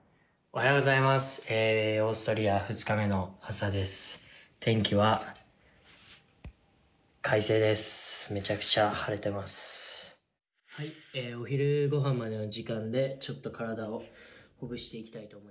はいお昼ごはんまでの時間でちょっと体をほぐしていきたいと思います。